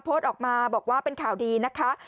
โพสต์ออกมาบอกว่าเป็นข่าวดีนะคะ